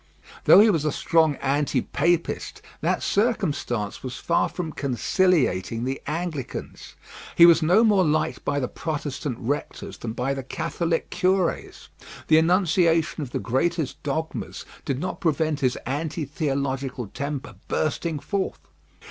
Though he was a strong anti papist, that circumstance was far from conciliating the Anglicans. He was no more liked by the Protestant rectors than by the Catholic curés. The enunciation of the greatest dogmas did not prevent his anti theological temper bursting forth.